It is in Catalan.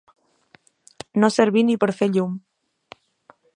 No servir ni per fer llum.